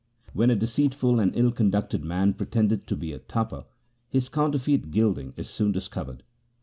When a deceitful and ill conducted man pretendeth to be a Tapa, his counterfeit gilding is soon discovered.